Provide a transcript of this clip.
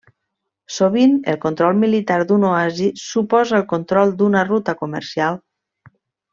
Sovint, el control militar d'un oasi suposa el control d'una ruta comercial.